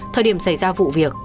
thời điểm xảy ra vụ việc